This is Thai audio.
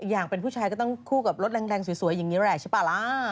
อย่างเป็นผู้ชายก็ต้องคู่กับรถแรงสวยอย่างนี้แหละใช่ป่ะล่ะ